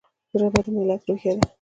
ژبه د ملت روحیه ده.